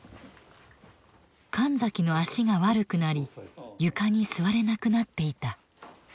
神崎の足が悪くなり床に座れなくなっていた。